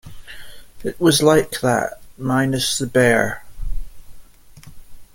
It was like that... minus the Bear.